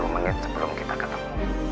tiga puluh menit sebelum kita ketemu